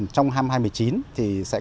trong năm hai nghìn một mươi chín thì sẽ